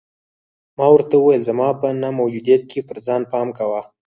ما ورته وویل: زما په نه موجودیت کې پر ځان پام کوه.